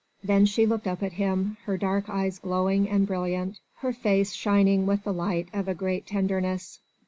Then she looked up at him, her dark eyes glowing and brilliant, her face shining with the light of a great tenderness.